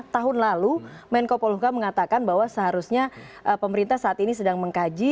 tahun lalu menko poluka mengatakan bahwa seharusnya pemerintah saat ini sedang mengkaji